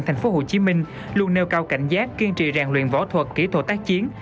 thành phố hồ chí minh luôn nêu cao cảnh giác kiên trì rèn luyện võ thuật kỹ thuật tác chiến